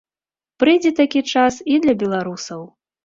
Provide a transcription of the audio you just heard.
Прыйдзе такі час і для беларусаў.